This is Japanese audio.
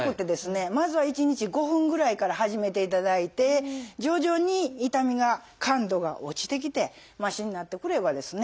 まずは１日５分ぐらいから始めていただいて徐々に痛みが感度が落ちてきてましになってくればですね